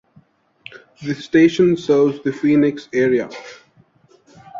The station serves the Phoenix area.